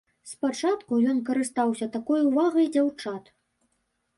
Спачатку ён карыстаўся такой увагай дзяўчат.